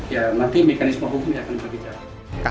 ya nanti mekanisme hukumnya akan berbicara